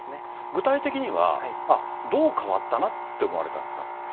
具体的には、あっ、どう変わったなって思われたんですか？